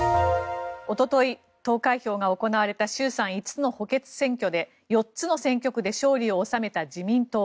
おととい投開票が行われた衆参５つの補欠選挙で４つの選挙区で勝利を収めた自民党。